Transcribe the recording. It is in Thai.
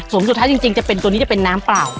สุดท้ายจริงจะเป็นตัวนี้จะเป็นน้ำเปล่า